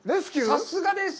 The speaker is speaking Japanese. さすがです。